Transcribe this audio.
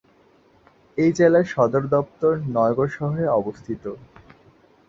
এই জেলার সদর দপ্তর নয়গড় শহরে অবস্থিত।